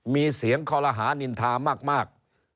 มีเสียงคอลหานินทามาก